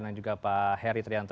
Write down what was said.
dan juga pak heri trianto